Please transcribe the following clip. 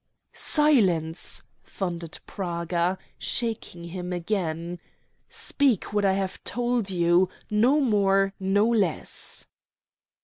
"Silence!" thundered Praga, shaking him again. "Speak what I have told you no more, no less."